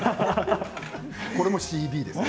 これもＣＢですね。